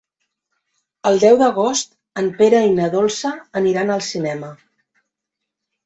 El deu d'agost en Pere i na Dolça aniran al cinema.